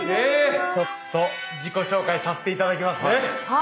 ちょっと自己紹介させて頂きますね。